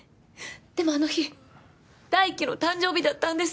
でもあの日大樹の誕生日だったんです